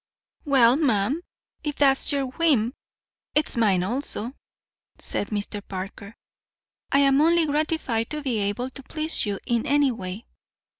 "Well, ma'am, if that's your whim, it's mine also," said Mr. Parker. "I am only gratified to be able to please you in any way.